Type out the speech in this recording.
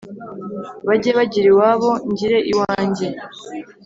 bage bagira iwabo ngire iwange